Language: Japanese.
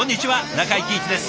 中井貴一です。